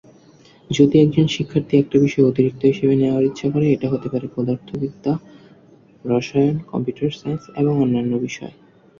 যদি একজন শিক্ষার্থী একটা বিষয় অতিরিক্ত হিসেবে নেওয়ার ইচ্ছা করে, এটা হতে পারে পদার্থবিদ্যা, রসায়ন, কম্পিউটার সায়েন্স এবং অন্যান্য বিষয়।